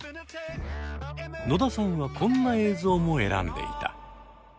野田さんはこんな映像も選んでいた。